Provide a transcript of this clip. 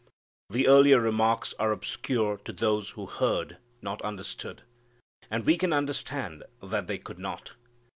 The earlier remarks are obscure to those who heard, not understood. And we can understand that they could not.